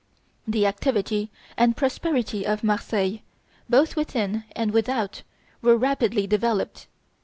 The activity and prosperity of Marseilles, both within and without, were rapidly developed.